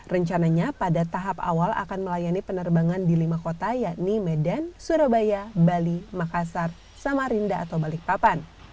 rencananya pada tahap awal akan melayani penerbangan di lima kota yakni medan surabaya bali makassar samarinda atau balikpapan